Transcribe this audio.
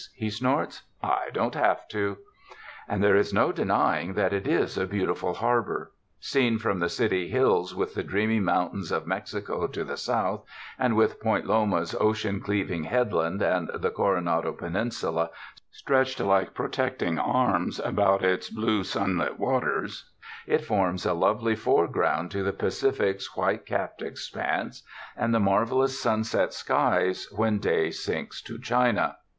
he snorts. "I don't have to!" And there is no denying that it is a beautiful har bor. Seen from the city hills with the dreamy mountains of Mexico to the south, and with Point Loma's ocean cleaving headland and the Coronado peninsula stretched like protecting arms about its blue, sunlit waters, it forms a lovely foreground to the Pacific's white capped expanse and the mar velous sunset skies when day sinks to China.